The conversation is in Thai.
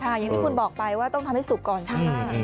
อย่างที่คุณบอกไปว่าต้องทำให้สุกก่อนใช่ไหม